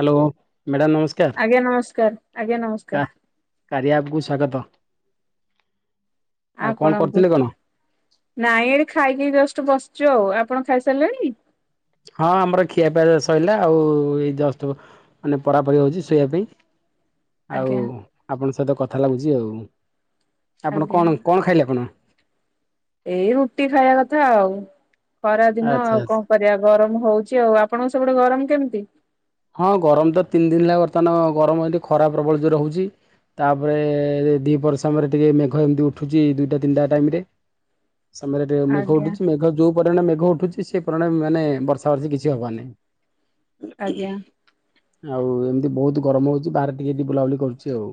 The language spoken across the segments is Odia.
ହ୍ୟାଲୋ ମ୍ୟାଡ଼ାମ ନମସ୍କାର, ଆଜ୍ଞା ନମସ୍କାର ଆଜ୍ଞା ନମସ୍କାର କା କାରିଆ ଆପ କୁ ସ୍ଵାଗତ। ଆଉ କଣ ଆପଣଙ୍କୁ, କରୁଥିଲେ କଣ? ନାଇଁ ଏଠି ଖାଇକି ଜଷ୍ଟ ବସିଛୁ ଆଉ, ଆପଣ ଖାଇସାରିଲେଣି? ହଁ ଆମର ଖିଆପିଇଆ ଜ ସଇଲା, ଆଉ ଏଇ ଯଷ୍ଟ ମାନେ ପରାପରି ହଉଛି ଶୋଇବା ପାଇଁ। ଆଉ ଆଜ୍ଞା ଆପଣଙ୍କ ସହିତ କଥା ଲାଗୁଛି ଆଉ। ଆପଣ ଆଜ୍ଞା କଣ କଣ ଖାଇଲେ ଆପଣ? ଏଇ ରୁଟି ଖାଇବା କଥା ଆଉ ଖରା ଦିନ ଆଚ୍ଛା ଆଉ ଆଚ୍ଛା କ କରିବା ଗରମ ହଉଛି ଆଉ। ଆପଣଙ୍କ ସେପଟେ ଗରମ କେମିତି? ହଁ ଗରମ ତ ତିନି ଦିନ ହେଲା ବର୍ତ୍ତମାନ ଗରମ ଏଠି ଖରା ପ୍ରବଳ ଜୋରେ ହଉଛି। ତାପରେ ଦି ପହର ସମୟରେ ଟିକେ ମେଘ ଏମିତି ଉଠୁଛି ଦୁଇଟା, ତିନିଟା ଟାଇମ ରେ। ସମୟରେ ଟିକେ ମେଘ ଆଜ୍ଞା ଉଠୁଛି ମେଘ ଯୋଉ ପରିମାଣରେ ମେଘ ଉଠୁଛି ସେଇ ପରିମାଣରେ ମାନେ ବର୍ଷା ବର୍ଷି କିଛି ହବ ନାହିଁ। ଆଜ୍ଞା। ଆଉ ଏମିତି ବହୁତ ଗରମ ହଉଛି ବାହାରେ ଟିକେ ଟି ବୁଲାବୁଲି କରୁଛି ଆଉ।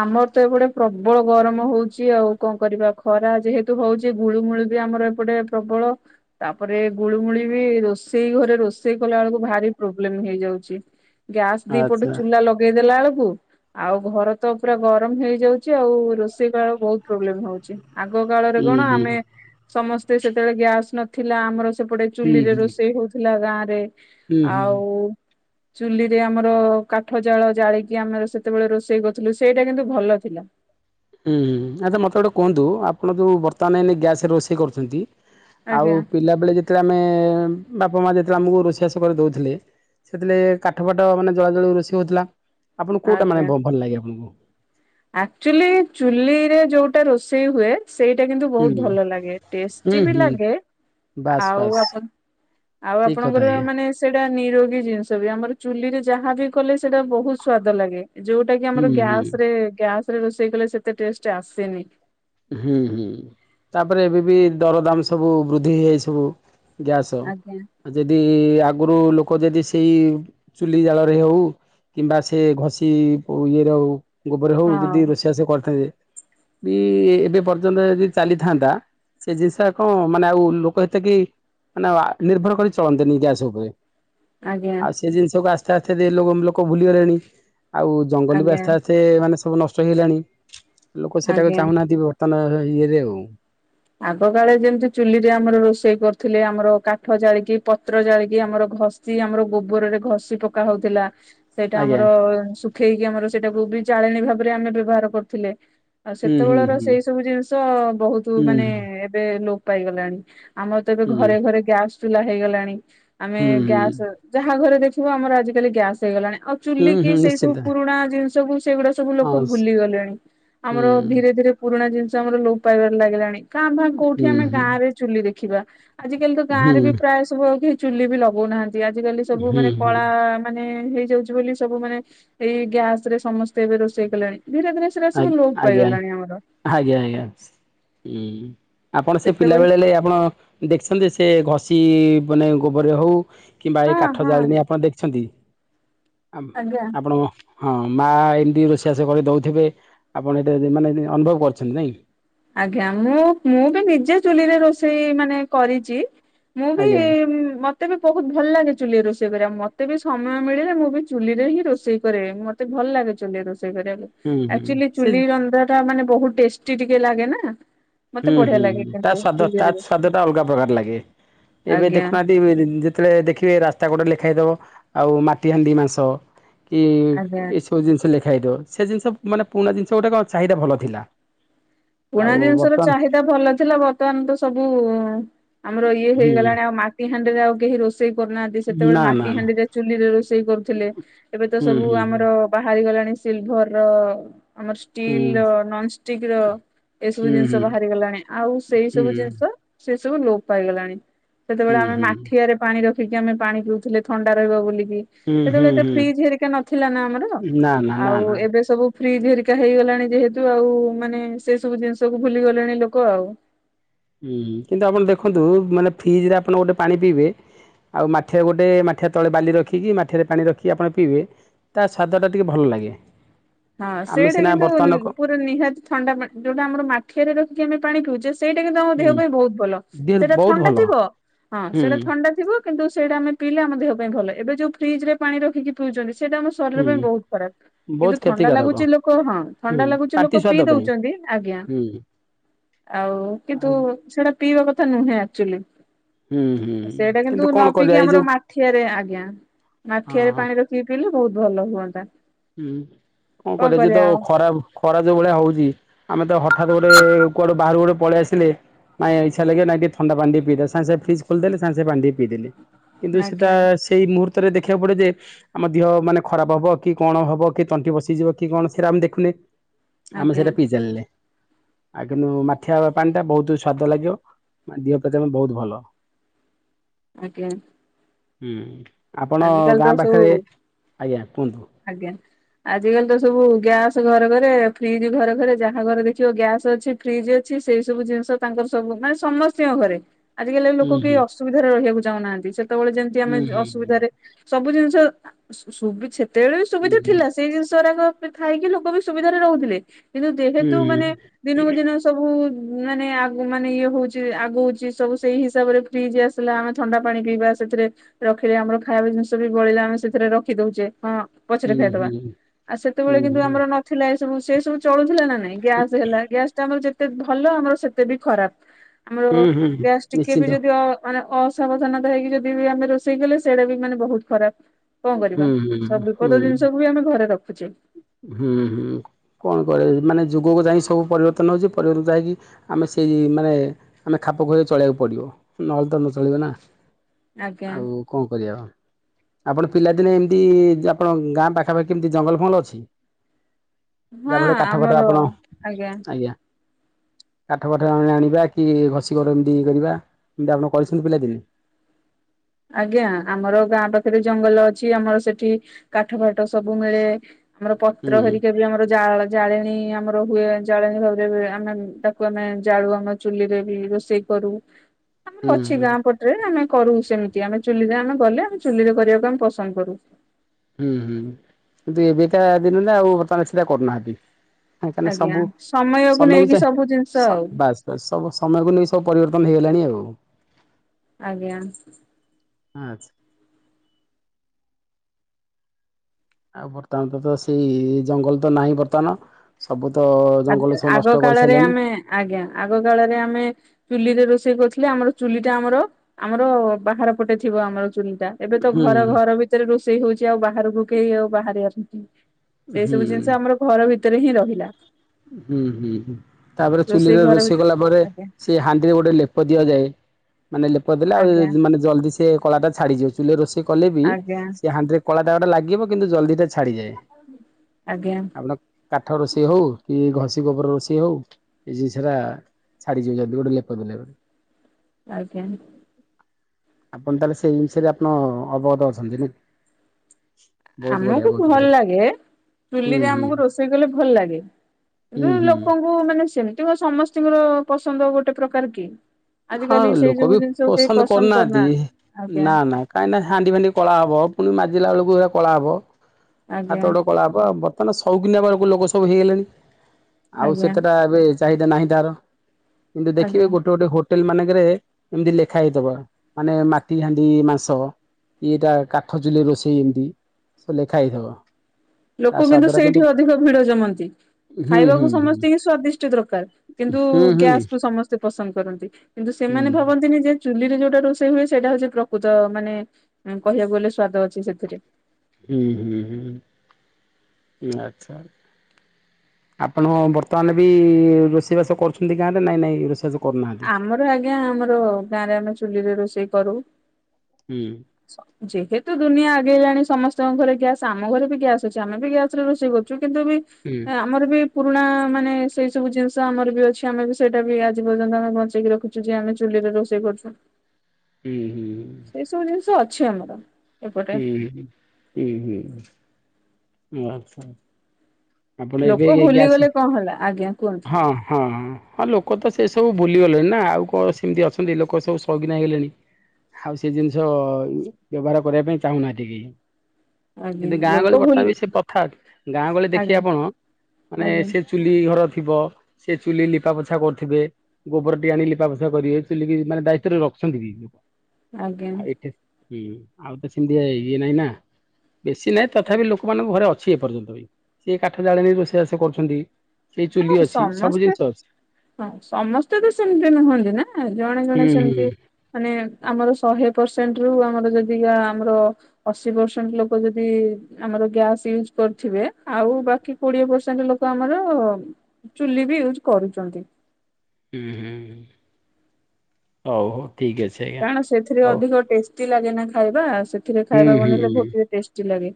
ଆମର ତ ଏପଟେ ପ୍ରବଳ ଗରମ ହଉଛି ଆଉ କଣ କରିବା ଖରା ଯେହେତୁ ହଉଛି ଗୁଳୁମୁଳୁ ବି ଆମର ଏପଟେ ପ୍ରବଳ ତାପରେ ଗୁଳୁମୁଳି ବି ରୋଷେଇ ଘରେ ରୋ ସେଇ କଳା ବେଳକୁ ଭାରି ପ୍ରୋବ୍ଲେମ ହେଇଯାଉଚି ଗ୍ୟାସ ଦି ପଟ ଆଚ୍ଛା ଚୁଲା ଲ ଲଗେଇଦେଲା ବେଳକୁ ଆଉ ଘର। ତ ପୁରା ଗରମ ହେଇଯାଉଛି ଆଉ ରୋଷେଇ କଲା ବେଳକୁ ବହୁତ ପ୍ରୋବ୍ଲେମ ହଉଛି। ଆଗ କାଳରେ ହୁଁ କଣ ହୁଁ ଆମେ ସମସ୍ତେ ସେତେବେଳେ ଗ୍ୟାସ୍ ନଥିଲା ଆମର ସେପଟେ। ହୁଁ ଚୁଲିରେ ହୁଁ ରୋଷେଇ ହଉଥିଲା ଗାଁ ରେ ହୁଁ ହୁଁ। ଆଉ। ଚୁଲିରେ ଆମର କାଠ ଜାଳ ଜାଳିକି ଆମର ସେତେବେଳେ ରୋଷେଇ କରୁଥିଲୁ ସେଇଟା କିନ୍ତୁ ଭଲ ଥିଲା। ହୁଁ ହୁଁ ଆଚ୍ଛା ମୋତେ ଗୋଟେ କୁହନ୍ତୁ ଆପଣ ଯଉ ବର୍ତ୍ତମାନ ଏଇନେ ଗ୍ୟାସ ରେ ରୋଷେଇ କରୁଛନ୍ତି। ଆଉ ଆଜ୍ଞା ପିଲା ବେଳେ ଯେତେବେଳେ ଆମେ ବାପ, ମା ଯେତେବେଳେ ଆମକୁ ରୋଷେଇ ବାସ କରି ଦଉଥିଲେ। ସେତେବେଳେ କାଠ ଫାଠ ମାନେ ଜଳା ଜଳି ରୋଷେଇ ହଉଥିଲା। ଆପଣଙ୍କୁ କୋଉଟା ମାନେ ଭ-ଭଲ ଲାଗେ ଆପଣଙ୍କୁ? ଆକଚୁଲି ଚୁଲିରେ ଯୋଉଟା ରୋଷେଇ ହୁଏ। ସେଇଟା କିନ୍ତୁ ହୁଁ ବହୁତ ଭଲ ଲାଗେ। ହୁଁ ଟେଷ୍ଟି ବି ହୁଁ ଲାଗେ ବାସ୍ ଆଉ ବାସ୍ ଆପ ଆଉ ଠିକ କଥା ଆପଣଙ୍କର ଆଜ୍ଞା ମାନେ ସେଇଟା ନିରୋଗୀ ଜିନିଷ ବି ଆମର ଚୁଲିରେ ଯାହାବି କଲେ ସେଇଟା ବହୁତ ସ୍ଵାଦ ଲାଗେ। ଯୋଉଟା କି ହୁଁ ଆମର ହୁଁ। ଗ୍ୟାସ ରେ ଗ୍ୟାସ ରେ ରୋଷେଇ କଲେ ସେତେ ଟେଷ୍ଟ ଆସେନି। ହୁଁ ହୁଁ ତାପରେ ଏବେ ବି ଦରଦାମ ସବୁ ବୃଦ୍ଧି ହେଇଯାଇଚି ସବୁ। ଗ୍ୟାସ ଆଜ୍ଞା ଆ ଯଦି ଆଗରୁ ଲୋକ ଯଦି ସେଇ ଚୁଲି ଜାଳରେ ହେଉ। କିମ୍ବା ସେ ଘଷି କଉ ଇଏ ର ଗୋବର ହଉ ହଁ ଯଦି ରୋଷେଇ ବାସ କରିଥାନ୍ତେ। ଇ ଏବେ ପର୍ଯ୍ୟନ୍ତ ଯଦି ଚାଲିଥାନ୍ତା ସେ ଜିନିଷ କଣ ମାନେ ଆଉ ଲୋକ ଏତେ କେହି। ମାନେ [unintelligible] ନିର୍ଭର କରି ଚଳନ୍ତେନି ଗ୍ୟାସ ଉପରେ। ଆଜ୍ଞା। ଆଉ ସେ ଜିନିଷକୁୁ ଆସ୍ତେ ଆସ୍ତେ ଦେ ଲୋକ ଲୋକ ଭୁଲିଗଲେଣି। ଆଉ ଜଙ୍ଗଲ ବି ଆଜ୍ଞା ଆସ୍ତେ ଆସ୍ତେ ତେ ମାନେ ସବୁ ନଷ୍ଟ ହେଇଗଲାଣି ଲୋକ ସେଇଟାକୁ ଆଜ୍ଞା। ଚାହୁଁନାହାନ୍ତି ବର୍ତ୍ତମାନ ଇଏରେ ଆଉ। ଆଗ କାଳେ ଯେମିତି ଚୁଲିରେ ଆମର ରୋଷେଇ କରୁଥିଲେ ଆମର କାଠ ଜାଳିକି ପତ୍ର ଜାଳିକି ଆମର ଘଷ୍ ଷି ଆମର ଗୋବରରେ ଘଷି ପକା ହଉଥିଲା। ସେଇଟା ଆମର ଆଜ୍ଞା ଶୁଖେଇକି ଆମର ସେଇଟାକୁ ବି ଜାଳେଣୀ ଭାବରେ ଆମେ ବ୍ୟବହାର କରୁଥିଲେ। ଆଉ ହୁଁ ହୁଁ ସେତେବେଳର ହୁଁ ସେଇ ସବୁ ଜିନିଷ ବହୁତୁ। ହୁଁ ଏବେ ଲୋପ୍ ପାଇଗଲାଣି ଆମର ତ ଏବେ ହୁଁ ଘରେ ଘରେ ଗ୍ୟାସ୍ ଚୁଲା ହେଇଗଲାଣି। ଆମେ ହୁଁ ହୁଁ ଗ୍ୟାସ ହୁଁ ଯାହା ଘରେ ଦେଖିବ ଆମର ଆଜିକାଲି ଗ୍ୟାସ ହେଇଗଲାଣି। ଆଉ ଚୁଲି କିି ହୁଁ ସେଇ ସବୁ ନିଶ୍ଚିନ୍ତ ପୁରୁଣା ଜିନିଷ କୁ ସେଇଗୁଡା ସବୁ ଲୋକ ହଁ ସ୍ ଭୁଲି ଗଲେଣି ହୁଁ ଆମର ଧୀରେ ଧୀରେ ପୁରୁଣା ଜିନିଷ ଆମର ଲୋପ୍ ପାଇବାରେ ଲାଗିଲାଣି। କାଁ ଭାଁ କୋଉଠି ହୁଁ ଆମେ ହୁଁ ଗାଁ ରେ ଚୁଲି ଦେଖିବା ଆଜିକାଲି ତ ହୁଁ ଗାଁରେ ବି ପ୍ରାୟ ସବୁ ଆଉ କେହି। ଚୁଲି ବି ଲଗଉନାହାଁନ୍ତି ଆଜିକାଲି ସବୁ ହୁଁ ମାନେ ହୁଁ କଳା। ମାନେ ହେଇଯାଉଛି ବୋଲି ସବୁ ମାନେ ଏଇ ଗ୍ୟାସ ରେ ସମସ୍ତେ ଏବେ ରୋଷେଇ କଲେଣି ଧୀରେ ଧୀରେ ସେଟା ଆ ସବୁ ଲୋପ ଆଜ୍ଞା ପାଇଗଲାଣି ଆମର। ଆଜ୍ଞା ଆଜ୍ଞା ସ ଉଁ। ଆପଣ ସେ ପିଲା ସେତେବେଳେ ବେଳେ ଏଲେ ଆପଣ ଦେଖିଛନ୍ତି ସେ ଘଷି ମାନେ ଗୋବରରେ ହଉ। କିମ୍ବା ହଁ ଏଇ କାଠ ହଁ ଜାଳିନି ଆପଣ ଦେଖିଛନ୍ତି? ଆମ୍ ଆଜ୍ଞା। ଆପଣଙ୍କ ହଁ ମା ଏଇମିତି ରୋଷେଇ ବାସ କରିକି ଦୋଉଥିବେ। ଆପଣ [unintelligible] ମାନେ ନି ଅନୁଭବ କରଛନ୍ତି ନାଇଁ। ଆଜ୍ଞା ମୁଁ ମୁଁ ବି ନିଜେ ଚୁଲିରେ ରୋଷେଇ ମାନେ କରିଚି। ମୁଁ ବି ଆଜ୍ଞା ଆଜ୍ଞା ମତ୍ ମୋତେ ବି ବୋହୁତ ଭଲ୍ ଲାଗେ ଚୁଲି ରେ ରୋଷେଇ କରିଆକୁ ମୋତେ ବି ସମୟ ମିଳିଲେ, ମୁଁ ବି ଚୁଲିରେ ହିଁ ରୋଷେଇ କରେ ମତ ମତେ ଭଲ୍ ଲାଗେ ଚୁଲିରେ ରୋଷେଇ କରିଆକୁ ହୁଁ ହୁଁ ଆକ୍ଚୁଆଲି ସେ ଚୁଲି ରନ୍ଧା ଟା ମାନେ ବୋହୁତ ଟେଷ୍ଟି ଟିକେ ଲାଗେ ନା। ମତେ ହୁଁ ବଢିଆ ହୁଁ ହୁଁ ଲାଗେ କିନ୍ତୁ ତା ସ୍ଵାଦ ଚୁଲିରେ ତା ରୋଷେଇ ସ୍ଵାଦ ଟା ଅଲଗା ପ୍ରକାର ଲାଗେ ଏବେ ଆଜ୍ଞା ଦେଖୁନାହାଁନ୍ତି। ଅ ଯେତେବେଳେ ଦେଖିବେ ରାସ୍ତା କଡରେ ଲେଖାହେଇଥବ ଆଉ ମାଟି ହାଣ୍ଡି ମାଂସ। କି ଆଜ୍ଞା। ଏସବୁ ଜିନିଷ ଲେଖା ହେଇଥିବ ସେ ଜିନଶ ମାନେ ପୁରୁଣା ଜିନଶ ଗୋଟାକ ଚାହିଦା ଭଲ ଥିଲା। ପୁଣା ଆଉ ଜିନିଷର ବର୍ତ୍ତମାନ ଚାହିଦା ଭଲ ଥିଲା, ବର୍ତ୍ତମାନ ତ ସବୁ-ଉ-ଉ-ଆମର ଇଏ ହୁଁ ହେଇଗଲାଣି ଆଉ ମା ମାଟି ହାଣ୍ଡିରେ ଆଉ କେହି ରୋଷ ଛେଇ କରୁନାହାନ୍ତି ସେତେବେଳେ ନା ନା ମାଟି ନା ହାଣ୍ଡିରେ ଚୁଲି ରେ ରୋଷେଇ କରୁଥିଲେ, ଏବେ ତ ହୁଁ ସବୁ ହୁଁ ଆମର ବାହାରି ଗଲାଣି ସିଲଭର୍ ର ଆମର ଷ୍ଟିଲ୍ ର ହୁଁ ନନଷ୍ଟିକ ର ଏଇ ସବୁ ଜିନିଷ ବାହାରି ଗଲାଣି, ଆଉ ସେଇ ହୁଁ ସବୁ ଜିନିଷ ସେ ସବୁ ଲୋପ ପାଇଗଲାଣି। ସେତେବେଳେ ହୁଁ ହୁଁ ଆମେ ହୁଁ ହୁଁ ମାଠିଆରେ ପାଣି ରଖିକି ଆମେ ପାଣି ପିଉଥିଲେ ଥଣ୍ଡା ରହିବ ବୋଲିକି। ହୁଁ ହୁଁ ସେତେବେଳେ ଏତେ ହୁଁ ଫ୍ରିଜ ହେରିକା ନଥିଲା ନା ଆମର, ନା ନା ନା ଆଉ ନା ଏବେ ସବୁ ଫ୍ରୀଜ ହେରିକା ହେଇଗଲାଣି ଯେହେତୁ ଆଉ ମାନେ ସେ ସବୁ ଜିନିଷକୁ ଭୁଲି ଗଲେଣି ଲୋକ ଆଉ। ହୁଁ ହୁଁ କିନ୍ତୁ ଆପଣ ଦେଖନ୍ତୁ, ମାନେ ଫ୍ରିଜ ରେ ଆପଣ ଗୋଟେ ପାଣି ପିଇବେ ଆଉ ମାଠିଆ ଗୋଟେ, ମାଠିଆ ତଳେ ବାଲି ରଖିକି ମାଠିଆରେ ପାଣି ରଖିକି ଆପଣ ପିଇବେ। ତା ସ୍ୱାଦ ଟା ଟିକେ ଭଲ ଲାଗେ। ହଁ ଆମେ ସେଇଟା ସିନା କିନ୍ତୁ ନୁ ବର୍ତ୍ତମାନ ଲୋକ ପୁରା ନିହାତି ଥଣ୍ଡା ପାଣି, ଯୋଉଟା ଆମର ମାଠିଆରେ ରଖିକି ଆମେ ପାଣି ପିଉଛେ। ସେଇଟା କିନ୍ତୁ ଆମ ଦେହ ହୁଁ ପାଇଁ ବହୁତ ଭଲ, ଦେ ସେଇଟା ବହୁତ ଥଣ୍ଡା ଭଲ। ଥିବ ହଁ ସେଇଟା ହୁଁ ଥଣ୍ଡା ଥିବ। କିନ୍ତୁ ସେଇଟା ଆମେ ପିଇଲେ ଆମ ଦେହ ପାଇଁ ଭଲ, ଏବେ ଯୋଉ ଫ୍ରିଜ ରେ ପାଣି ରଖିକି ପିଉଛନ୍ତି ସେଇଟା ଆମ ସ ଶରୀର ପାଇଁ ବୋହୁତ ଫରକ୍। ବହୁତ କିନ୍ତୁ ଥଣ୍ଡା କ୍ଷତିକାରକ ଲାଗୁଚି ଲୋକ ହଁ ଥଣ୍ଡା ଲାଗୁଚି ପାଟି ଲୋକ ସ୍ୱାଦ ପାଇଁ। ପିଇଦୋଉଚନ୍ତି ଆଜ୍ଞା ଆଉ କିନ୍ତୁ ଆଉ ସେଟା ପିଇବା କଥା ନୁହେଁ ଆକ୍ଚୁଲି। ସେଇଟା କିନ୍ତୁ କଣ ନ କରିବା ପିଇକି ଏଇ ଆମର ଯୋଉ ମାଠିଆରେ, ଆଜ୍ଞା ମାଠିଆରେ ପାଣି ରଖି ହେଲେ ବୋହୁତ୍ ଭଲ ହୁଅନ୍ତା। ହୁଁ କଣ କରିବା ଯେ ତ ଖରାପ। ଖରା ଯୋଉ ଭଳିଆ ହୋଉଛି, ଆମେ ତ ହଠାତ୍ ଗୋଟେ କୁଆଡୁ ବାହାରୁ ଗୋଟେ ପଳେଇ ଆସିଲେ। ନାଇଁ ଇଚ୍ଛା ଲାଗିବ ନାଇଁ ଟିକେ ଥଣ୍ଡା ପାଣି ଟିକେ ପିଇ ଦିଏ, ସାଙ୍ଗେ ସାଙ୍ଗେ ଫ୍ରିଜ ଖୋଲିଦେଲେ ସାଙ୍ଗେ ପାଣି ଟିକେ ପିଇଦେଲି। କିନ୍ତୁ ସେତା ଆଜ୍ଞା ସେଇ ମୁହୂର୍ତ୍ତରେ ଦେଖିଆକୁ ପଡିବ ଯେ, ଆମ ଦିହ ମାନେ ଖରାପ ହବ କି କଣ ହବ କି ତଣ୍ଟି ବସିଯିବ କି କଣ ସେରା ଆମେ ଦେଖୁନେ, ଆମେ ଆଜ୍ଞା ସେଇଟା ପିଇ ଚାଲିଲେ। ଆଗେ ମୁ ମାଠିଆ ପାଣି ଟା ବୋହୁତ ସ୍ଵାଦ ଲାଗିବ, ମାନେ ଦିହ ପ୍ରତି ଆମେ ବୋହୁତ ଭଲ। ଆଜ୍ଞା ହୁଁ ଆପଣ ଆଜିକାଲି ଗାଁ ତ ସବୁ ପାଖରେ ଆଜ୍ଞା କୁହନ୍ତୁ। ଆଜ୍ଞା। ଆଜି କାଲି ତ ସବୁ ଗ୍ୟାସ ଘରେ ଘରେ ଫ୍ରିଜ୍ ଘରେ ଘରେ ଯାହା ଘରେ ଦେଖିବ ଗ୍ୟାସ ଅଛି। ଫ୍ରିଜ ଅଛି ସେଇ ସବୁ ଜିନିଷ ତାଙ୍କର ସବୁ ମାନେ ସମସ୍ତଙ୍କ ଘରେ। ଆଜିକାଲି ହୁଁ ଲୋକ କେହି ହୁଁ ଅସୁବିଧାରେ ରହିବାକୁ ଚାହୁଁନାହାନ୍ତି ସେତେବେଳେ ଯେମିତି ଆମେ ହୁଁ ଅସୁବିଧାରେ। ସବୁ ଜିନିଷ ସୁବି ସେତେବେଳେ ବି ହୁଁ ସୁବିଧା ହୁଁ ଥିଲା ସେଇ ଜିନିଷ ଗୁଡ଼ାକ ଥାଇକି ଲୋକ ବି ସୁବିଧାରେ ରହୁଥିଲେ କିନ୍ତୁ ହୁଁ ଯେହେତୁ ମାନେ ଦିନକୁ ଦିନ। ସବୁ ମାନେ ମାନେ ଇଏ ହଉଛି ଆଗଉଛି ସବୁ ସେଇ ହିସାବରେ ଫ୍ରିଜ ଗ୍ୟାସ। ପିଲା ମାନେ ଥଣ୍ଡା ପାଣି ପିଇବା ସେଥିରେ ରଖିଲେ ଆମର ଖାଇବା ଜିନିଷ ବି ବଳିଲେ ଆମେ ସେଥିରେ ରଖି ଦଉଛେ। ହୁଁ ପଛରେ ହୁଁ ଆ ସେତେବେଳେ ହୁଁ କିନ୍ତୁ ହୁଁ। ଆମର ନ ଥିଲା ଏ ସବୁ ସେ ସବୁ ଚଳୁଥିଲା ନା ନାଇଁ ଗ୍ୟାସ ହେଲା ଗ୍ୟାସ୍ ଟା ଆମର ଯେ ତେ ଭଲ ଆମର ସେତେ ବି ଖରାପ ଆମର ହୁଁ ହୁଁ ଗ୍ୟାସ୍ ଟିକେ ବି ନିଶ୍ଚିନ୍ତ ଯଦି ଅ ମାନେ ଅସାବଧାନତା ହେଇକି ଯଦି ବି ଆମେ ରୋଷେଇ କଲେ ସେଇଟା ବି ମାନେ ବହୁତ ଖରାପ କଣ କରିବା। ହୁଁ ହୁଁ ସବୁ ହୁଁ ବିପଦ ଜିନିଷକୁ ବି ଆମେ ଘରେ ରଖୁଛେ। ହୁଁ ହୁଁ କଣ କରିବା ମାନେ ଯୁଗକୁ ଯାଇକି ସବୁ ପରିବର୍ତ୍ତନ ହଉଛି ପରିବର୍ତ୍ତନକୁ ଯାଇକି ଆମେ ସେଇ ମାନେ ଆମେ ଖାପ ଖୁଆଇ ଚଳେଇବାକୁ ପଡ଼ିବ ନହେଲେ ତ ନ ଚଳିବ ନା। ଆଜ୍ଞା ଆଉ କଣ କରିବା ଆପଣ ପିଲାଦିନେ ଏମିତି ଯା ଆପଣ ଗାଁ ପାଖାପାଖି ଏମିତି ଜଙ୍ଗଲ ଫଙ୍ଗଲ ଅ ଛି ଯାହା ହଁ ଫଳରେ କାଠ ଫାଠ ଆମର ଆପଣ ଆଜ୍ଞା। କାଠ ଫାଠ [unintelligible] ଆଣିବା କି ଘଷି ଘର ଏମିତି କରିବା ଏମିତି ଆପଣ କରିଛନ୍ତି ପିଲାଦିନେ? ଆଜ୍ଞା ଆମର ଗାଁ ପାଖରେ ଜଙ୍ଗଲ ଅଛି ଆମର ସେଠି କାଠ ଫାଠ ସବୁ ମିଳେ। ଆମର ହୁଁ ପତ୍ର ହୁଁ ହେରିକା ବି ଆମର ଜାଳ ଜାଳେଣୀ ଆମର ହୁଏ ଜାଳେଣୀ ଭାବରେ ବେ ଆମେ ତାକୁ ଆମେ ଜାଳୁ ଆମ ଚୁଲିରେ ବି ରୋଷେଇ କରୁ। ଆମର ହୁଁ ଅଛି ହୁଁ ଗାଁ ପଟରେ ଆମେ କରୁ ସେମ୍ ତି ଆମେ ଚୁଲିରେ ଆମେ ଗଲେ ଆମେ ଚୁଲିରେ କରିବାକୁ ଆମେ ପସନ୍ଦ କରୁ। ଉଁ ହୁଁ କିନ୍ତୁ ଏବେକା ଦିନ ଟା ଆଉ ବର୍ତ୍ତମାନ ସେଇଟା କରୁନାହାନ୍ତି। ହଁ ତାହେଲେ ଆଜ୍ଞା ସବୁ ସମୟକୁ ନେଇକି ଚାହିଁ ସବୁ ଜିନିଷ ସ ଆଉ ବାସ। ସେ ସବୁ ସମୟକୁ ନେଇ ସବୁ ପରିବର୍ତ୍ତନ ହେଇଗଲାଣି ଆଉ। ଆଜ୍ଞା। ଆଚ୍ଛା। ଆଉ ବର୍ତ୍ତମାନ ତ ତ ସେଇ ଜଙ୍ଗଲ ତ ନାହିଁ ବର୍ତ୍ତମାନ। ସବୁ ତ ଆଜି ଜଙ୍ଗଲ ସବୁ ଆଗ ନଷ୍ଟ କାଳରେ କରିସାରିଲେଣି। ଆମେ ଆଜ୍ଞା ଆଗ କାଳରେ ଆମେ ଚୁଲି ରେ ରୋଷେଇ କରୁଥିଲେ ଆମର ଚୁଲି ଟା ଆମର ଆମର ବାହାର ପଟେ ଥିବ ଆମର ଚୁଲି ଟା। ଏବେ ତ ହୁଁ ଘର ଘର ଭିତରେ ରୋଷେଇ ହଉଛି ଆଉ ବାହାରକୁ କେହି ଆଉ ବାହାରି ଆସୁ। [unintelligible] ସେ ସବୁ ଜିନିଷ ହୁଁ। ଆମର ଘର ଭିତରେ ହିଁ ରହିଲା। ହୁଁ ହୁଁ ତାପରେ ଚୁଲିରେ ଘର ରୋଷେଇ ଭିତରେ କଲା ପରେ ଆଜ୍ଞା [unintelligible] ହାଣ୍ଡିରେ ଗୋଟେ ଲେପ ଦିଆଯାଏ ମାନେ ଲେପ ଦେଲେ ଆଜ୍ଞା ଆଉ ମାନେ ଜଲ୍ଦି ସେ କଳାଟା ଛାଡ଼ିଯିବ। ଚୁଲିରେ ରୋଷେଇ କଲେ ବି ଆଜ୍ଞା ସେ ହାଣ୍ଡିରେ କଳାଟା ଗୋଟେ ଲାଗିବ କିନ୍ତୁ ଜଲ୍ଦି ହେଟା ଛାଡ଼ିଯାଏ। ଆଜ୍ଞା। ଆପଣ କାଠ ରୋଷେଇ ହଉ କି ଘଷି ଗୋବର ରୋଷେଇ ହଉ ଏଇ ଜିନିଷ ଟା ଛାଡ଼ି ଯିବ ଯଦି ଗୋଟେ ଲେପ ଦେଲେ। ଆଜ୍ଞା। ଆପଣ ତାହେଲେ ସେଇ ଜିନିଷରେ ଆପଣ ଅବଗତ ଅଛନ୍ତି ନା? ବହୁତ ବଢିଆ ଆମକୁ ବହୁତ ଭଲ ବଢିଆ ଲାଗେ ହୁଁ ଚୁଲିରେ ହୁଁ ଆମକୁ ରୋଷ୍ ଷେଇ କଲେ ଭଲ ଲାଗେ ହୁଁ କିନ୍ତୁ ହୁଁ ଲୋକ ଙ୍କୁ ମାନେ ସେମିତି କଁ ସମସ୍ତଙ୍କର ପସନ୍ଦ ଗୋଟେ ପ୍ରକାର କି? ହଁ ଆଜିକାଲି ସେଇ ଲୋକ ଯୋଉ ବି ଜିନିଷକୁ କେହି ପସନ୍ଦ କରୁନାହାନ୍ତି ଆଜ୍ଞା ନା ନା। କାହିଁକିନା ହାଣ୍ଡି ଫାଣ୍ଡି କଳା ହବ ପୁଣି ମାଜିଲା ବେଳକୁ ହେରା କଳା ହବ ହାତ ଆଜ୍ଞା ଗୋଡ଼ କଳା ହ ବ ବର୍ତ୍ତମାନ ସଉକିନିଆ ବେଳକୁ ଲୋକ ସବୁ ହେଇଗଲେଣି ଆଉ ଆଜ୍ଞା ସେତେଟା ଏବେ ଚାହିଦା ନାହିଁ ତାର କିନ୍ତୁ ଦେଖିବେ ଆଜ୍ଞା। ଗୋଟେ ଗୋଟେ ହୋ ଟେଲ ମାନଙ୍କରେ ଏମିତି ଲେଖା ହେଇଥିବ ମାନେ ମାଟି ହାଣ୍ଡି ମାଂସ। ଏଇଟା କାଠ ଚୁଲି ରୋଷେଇ ଏମତି ସବୁ ଲେଖା ହେଇଥିବ। ତା ଲୋକ ସ୍ଵାଦ କିନ୍ତୁ ଟା ସେଇଠି ଅଧିକ ଭିଡ ଜମାନ୍ତି। ହୁଁ ଖାଇବାକୁ ହୁଁ ହୁଁ ସମସ୍ତେ ହି ସ୍ଵାଦିଷ୍ଟ ଦରକାର କିନ୍ତୁ ହୁଁ ହୁଁ ଗ୍ୟାସ ହୁଁ କୁ ସମସ୍ତେ ତେ ପସନ୍ଦ କରନ୍ତି କିନ୍ତୁ ସେମାନେ ଭାବନ୍ତିନି ଯେ ଚୁଲି ରେ ଯୋଉଟା ରୋଷେଇ ହୁଏ ସେଇଟା ହଉଛି ପ୍ରକୃତ ମାନେ କହିବାକୁ ଗଲେ ସ୍ଵାଦ ଅଛି ସେଥିରେ। ହୁଁ ହୁଁ ହୁଁ ଆଚ୍ଛା। ଆପଣ ବର୍ତ୍ତମାନ ବି ରୋଷେଇ ବାସ କରୁଛନ୍ତି ଗାଁରେ ନାଇଁ ନାଇଁ କରୁନାହାନ୍ତି? ଆମର ଆଜ୍ଞା ଆମର ଗାଁ ରେ ଆମେ ଚୁଲିରେ ରୋଷେଇ କରୁ। ହୁଁ। ଯେହେତୁ ଦୁନିଆ ଆଗେଇଲାଣି ସମସ୍ତଙ୍କ ଘରେ ଗ୍ୟାସ୍ ଆମ ଘରେ ବି ଗ୍ୟାସ୍ ଅଛି ଆମେ ବି ଗ୍ୟାସରେ ରୋଷେଇ କରୁଛୁ। କିନ୍ତୁ ହୁଁ [inaudible] ଆମର ବି ପୁରୁଣା ମାନେ ସେଇ ସବୁ ଜିନିଷ ଆମର ବି ଅଛି ଆମେ ବି ସେଇଟା ବି ଆଜି ପର୍ଯ୍ୟନ୍ତ ଆମେ ବଞ୍ଚେଇକି ରଖୁଛୁ। ଯେ ଆମେ ଚୁଲିରେ ରୋଷେଇ କରୁଛୁ। ହୁଁ ହୁଁ [inaudible] ଏ ସବୁ ଜିନିଷ ଅଛି ଆମର। ଏପଟେ। ହୁଁ ହୁଁ ହୁଁ ଆଚ୍ଛାଛ [inaudible] ଏଵେ ଲୋକ ଏଇ ଗ୍ୟାସ ଭୁଲିଗଲେ କଣ ହେଲା ଆଜ୍ଞା କୁହନ୍ତୁ ହଁ ହଁ। ହଁ ଲୋକ ତ ସେସବୁ ଭୁଲିଗଲେଣି ନା ଆଉ କଣ ସେମିତି ଅଛନ୍ତି ଲୋକ ସବୁ ସଉଗିନା ହେଇଗଲେଣି। ଆଉ ସେ ଜିନିଷ ବ୍ୟବହାର କରିବା ପାଇଁ ଚାହୁଁନାହାନ୍ତି କେହି। ଆଜ୍ଞା କିନ୍ତୁ ଗାଁ ଲୋକ ଗହଳି ଭୁଲି ବର୍ତ୍ତମାନ ବି ସେ ପ୍ରଥା ଗାଁ ଗହଳି ଦେଖି ଏ ଆଜ୍ଞା ଆପଣ ମାନେ ଆଜ୍ଞା ସେ ଚୁଲି ଘର ଥିବ ସେ ଚୁଲି ଲିପା ପୋଛା କରୁଥିବେ। ଗୋବର ଟିକେ ଆଣିକି ଲିପା ପୋଛା କରିବେ ମାନେ ଚୁଲିକି ମାନେ ଦାୟିତ୍ୱ ରେ ରଖଛନ୍ତି ବି। ଆଜ୍ଞା। ଆଉ ହୁଁ ଆଉ ତ ସେମିତି ଇଏ ନାଇଁ ନା ବେଶୀ ନାହିଁ ତଥାପି ଲୋକମାନଙ୍କ ଘରେ ଅଛି। ସିଏ ପର୍ଯ୍ୟନ୍ତ ବି ସିଏ କାଠ ଜାଳେଣି ରୋଷେଇବାଷ କରୁଛନ୍ତି। ସେଇ ହଁ ଚୁଲି ଅଛି ସବୁ ସମସ୍ତେ ଜିନିଷ। ହଁ ସମସ୍ତେ ତ ସେମିତି ନୁହନ୍ତି ନା ଜଣେ ହୁଁ ଜଣେ ହୁଁ ସେମତି। ହୁଁ ମାନେ ଆମର ଶହେ ପରସେଣ୍ଟ ରୁ ଆମର ଯଦି ଆମର ଅଶୀ ପରସେଣ୍ଟ ଲୋକ ଯଦି ଆମର ଗ୍ୟାସ୍ ୟୁଜ୍ କରିଥିବେ ଆଉ ବାକି କୋଡିଏ ପରସେଣ୍ଟ ଲୋକ ଆମର ଚୁଲି ବି ୟୁଜ୍ କରୁଛନ୍ତି। ହୁଁ ହୁଁ ହଉ ହଉ ଠିକ୍ ଅଛି। ଆଜ୍ଞା କାରଣ ସେଥିରେ ହଉ। ଅଧିକ ଟେଷ୍ଟି ଲାଗେନା ଖାଇବା ସେଥିରେ ହୁଁ ଖାଇବା ହୁଁ ବନେଇଲେ ବହୁତ ଟେଷ୍ଟି ଲାଗେ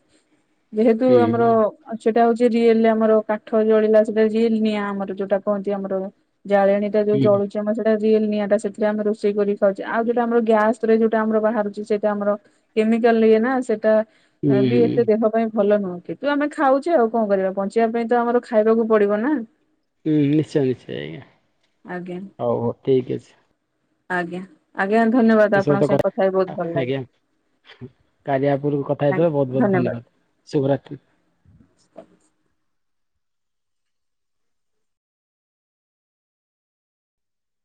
ଯେହେତୁ ହୁଁ ଆମର ହୁଁ ଆଉ ସେଟା ହଉଛି ରିଏଲ ଆମର କାଠ ଜଳିଲା ସେଟା ରିଏଲ ନିଆଁ ଆମର ଯୋଉଟା କହନ୍ତି ଆମର। ଜାଳେଣୀା ଯୋଉ ହୁଁ ଜଳୁଚି ଆମର ସେଇଟା ରିଏଲେ ନିଆଁ ଟା ସେଥିରେ ଆମେ ରୋଷେଇ କରି ଖାଉଛୁ। ଆଉ ଯୋଉଟା ଆମର ଗ୍ୟାସ ରେ ଯୋଉଟା ଆମର ବାହାରୁଛି ସେଇଟା ଆମର କେମିକାଲ ଇଏ ନା ସେଟା। ହୁଁ ତା ହୁଁ ବି ଏତେ ଦେହ ପାଇଁ ଭଲ ନୁହେଁ। କିନ୍ତୁ ଆମେ ଖାଉଛେ ଆଉ କଣ କରିବା ବଞ୍ଚିବା ପାଇଁ ତ ଆମର ଖାଇବାକୁ ପଡିବ ନା। ହୁଁ ନିଶ୍ଚୟ ନିଶ୍ଚୟ ଆଜ୍ଞା [inaudible] ଆଜ୍ଞା ହଉ ହଉ ଠିକ୍ ଅଛି। ଆଜ୍ଞା ଆଜ୍ଞା ଧନ୍ୟବାଦ। ଆପଣଙ୍କ ସହିତ ସାଙ୍ଗେ କଥା ହେଇ ବହୁତ ଭଲ ଆଜ୍ଞା ଲାଗିଲା ଆପଣ କଥା ହେଇଥିବାରୁ ବହୁତ ବହୁତ ଧନ୍ୟବାଦ। ଶୁଭ ରାତ୍ରି।